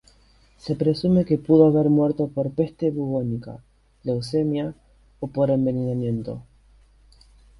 Se presume que pudo haber muerto por peste bubónica, leucemia o por envenenamiento.